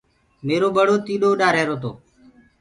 ميرو ٻڙو تيڏو اُڏ رهيرو تو۔